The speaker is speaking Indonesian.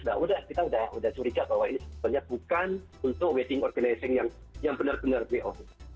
nah udah kita sudah curiga bahwa ini sebenarnya bukan untuk wedding organizing yang benar benar vo